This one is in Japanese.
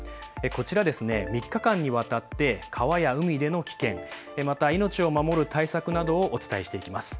こちら、３日間にわたって川や海での危険、また命を守る対策などをお伝えしていきます。